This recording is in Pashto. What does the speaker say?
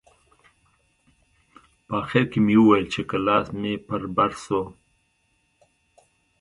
په اخر کښې مې وويل چې که لاس مې پر بر سو.